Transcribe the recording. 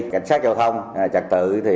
cảnh sát giao thông trả tự